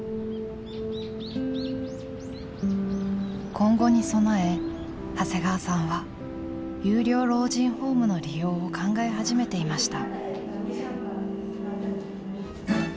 今後に備え長谷川さんは有料老人ホームの利用を考え始めていました。